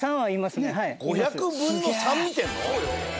５００分の３見てんの？